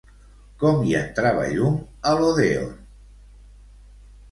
Com hi entrava llum a l'odèon?